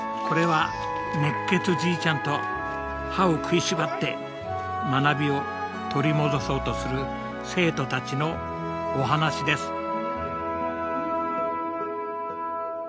これは熱血じいちゃんと歯を食いしばって学びを取り戻そうとする生徒たちのお話です。